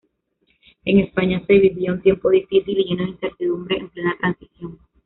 En España se vivía un tiempo difícil y lleno de incertidumbre, en plena Transición.